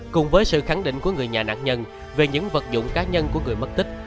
cùng với sự khẳng định của người nhà nạn nhân về những vật dụng cá nhân của người mất tích